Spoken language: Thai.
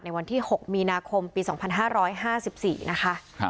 วันที่๖มีนาคมปี๒๕๕๔นะคะ